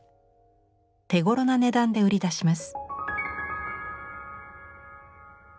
手ごろな値段で売り出します。